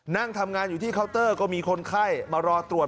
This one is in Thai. นั่งทำงานอยู่ที่เคาน์เตอร์ก็มีคนไข้มารอตรวจ